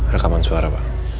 rekaman suara pak